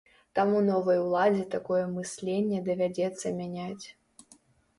Таму новай уладзе такое мысленне давядзецца мяняць.